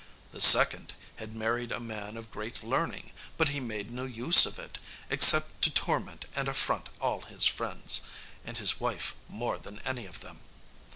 The second had married a man of great learning; but he made no use of it, except to torment and affront all his friends, and his wife more than any of them.